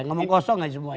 ngomong kosong aja semuanya